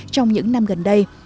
trong những năm gần đây